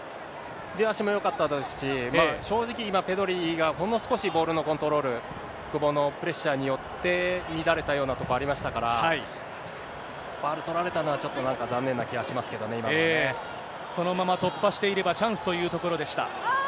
出足もよかったですし、正直、今、ペドリがほんの少しボールのコントロール、久保のプレッシャーによって乱れたようなところありましたから、ファウル取られたのは、ちょっとなんか、残念な気がしますけどね、そのまま突破していれば、チャンスというところでした。